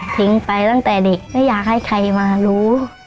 ไปตั้งแต่เด็กไม่อยากให้ใครมารู้